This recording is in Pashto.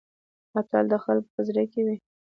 اتل د خلکو په زړه کې وي